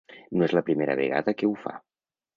No és la primera vegada que ho fa.